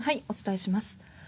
お伝えします。